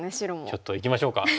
ちょっといきましょうか。